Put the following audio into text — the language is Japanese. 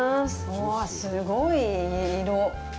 うわあ、すごい色。